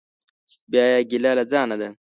بیا یې ګیله له ځانه ده.